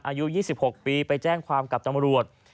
อายุ๒๖ปีไปแจ้งความกับตำรวจ